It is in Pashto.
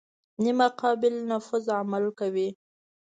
نیمه قابل نفوذ عمل کوي.